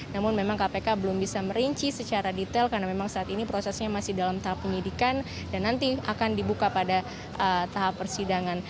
namun memang kpk belum bisa merinci secara detail karena memang saat ini prosesnya masih dalam tahap penyidikan dan nanti akan dibuka pada tahap persidangan